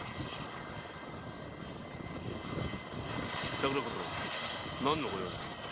桜子殿何のご用ですか？